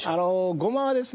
ごまはですね